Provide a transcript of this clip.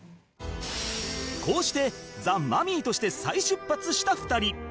こうしてザ・マミィとして再出発した２人